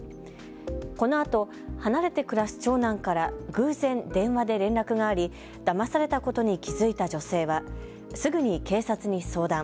このあと離れて暮らす長男から偶然、電話で連絡がありだまされたことに気付いた女性はすぐに警察に相談。